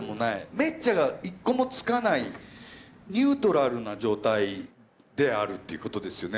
「めっちゃ」が一個もつかないニュートラルな状態であるっていうことですよね。